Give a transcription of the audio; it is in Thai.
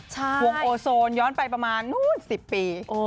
ใช่วงโอโซนย้อนไปประมาณนู้นสิบปีโอ้โฮ